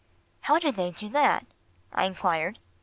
"How do they do that?" I enquired.